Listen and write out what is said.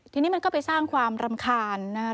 ทีนี้มันก็ไปสร้างความรำคาญนะครับ